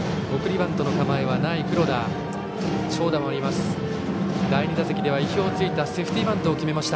黒田、送りバントの構えはない。